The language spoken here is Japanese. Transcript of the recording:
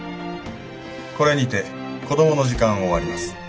これにて「コドモの時間」を終わります。